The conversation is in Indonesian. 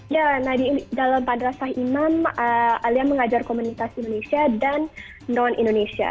ya nah di dalam madrasah imam alia mengajar komunitas indonesia dan non indonesia